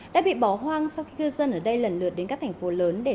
đã bị bỏ hoang sau khi cư dân ở đây lần lượt đến các thành phố